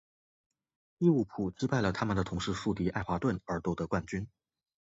利物浦击败了他们的同市宿敌爱华顿而夺得冠军。